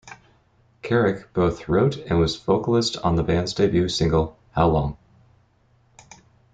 Carrack both wrote and was vocalist on the band's debut single How Long?